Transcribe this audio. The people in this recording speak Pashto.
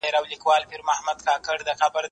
زه به ښوونځی ته تللی وي؟!